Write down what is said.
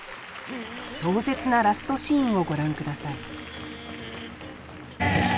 壮絶なラストシーンをご覧ください。